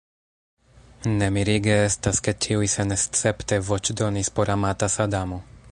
Ne mirige estas, ke ĉiuj senescepte voĉdonis por amata Sadamo!